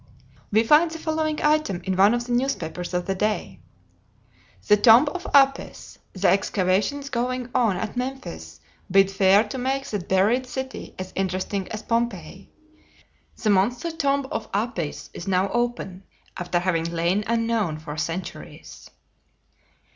We find the following item in one of the newspapers of the day: "The Tomb of Apis. The excavations going on at Memphis bid fair to make that buried city as interesting as Pompeii. The monster tomb of Apis is now open, after having lain unknown for centuries."